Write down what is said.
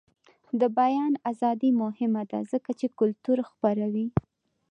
د بیان ازادي مهمه ده ځکه چې کلتور خپروي.